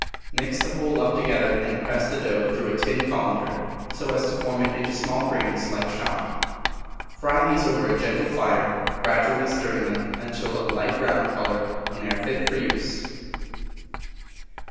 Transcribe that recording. Mix the whole up together, and press the dough through a tin cullender so as to form it into small grains like shot. Fry these over a gentle fire, gradually stirring them until of a light brown colour, when they are fit for use. 2165.